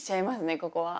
ここは。